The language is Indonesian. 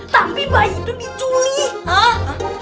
tapi bayi itu diculik